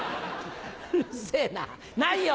うるせぇなないよ！